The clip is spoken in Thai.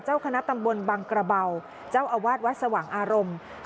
เจ้าคณะตำบลบังกระเบาเจ้าอาวาสวัดสว่างอารมณ์